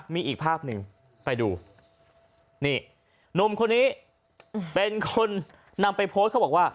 มีอีกภาพหนึ่งไปดูนี่หนุ่มคนนี้เป็นคนนำไปโพสต์เขาบอกว่า